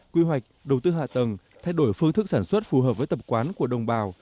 quy hoạch đầu tư hạ tầng thay đổi phương thức sản xuất phù hợp với tập quán của đồng bào